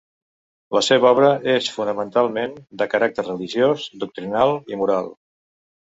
La seva obra és fonamentalment de caràcter religiós, doctrinal i moral.